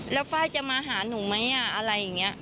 แล้วไฟล์จะมาหาหนูไหมอะไรอย่างนี้